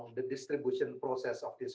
pada berapa lama proses distribusi